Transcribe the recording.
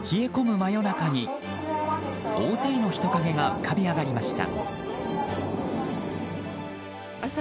真夜中に大勢の人影が浮かび上がりました。